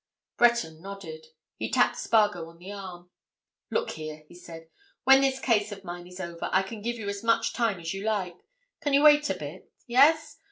Breton nodded. He tapped Spargo on the arm. "Look here," he said. "When this case of mine is over, I can give you as much time as you like. Can you wait a bit? Yes?